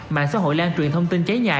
mạng xã hội lan truyền thông tin cháy nhà